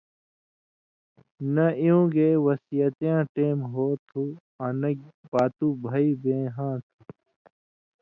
نہ اېوں گے وصیتیاں ٹېم ہو تُھو آں نہ پاتُو بھئ بېہاں تھہ